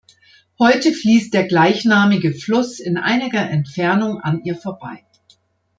Heute fließt der gleichnamige Fluss in einiger Entfernung an ihr vorbei.